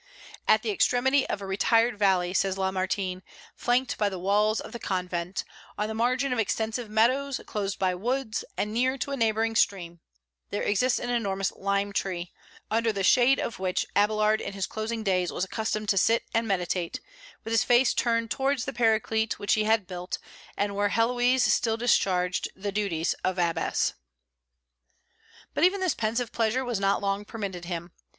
"At the extremity of a retired valley," says Lamartine, "flanked by the walls of the convent, on the margin of extensive meadows, closed by woods, and near to a neighboring stream, there exists an enormous lime tree, under the shade of which Abélard in his closing days was accustomed to sit and meditate, with his face turned towards the Paraclete which he had built, and where Héloïse still discharged the duties of abbess." But even this pensive pleasure was not long permitted him.